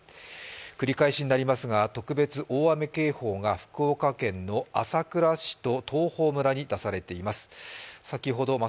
繰り返しになりますが特別大雨警報が福岡県の朝倉市と東峰村に出されています。